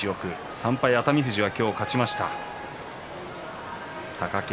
３敗の熱海富士は今日勝ちました。